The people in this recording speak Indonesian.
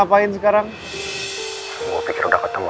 ya udah oke kalau gitu take care siap aman kok